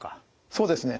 そうですね。